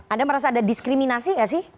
anda merasa ada diskriminasi nggak sih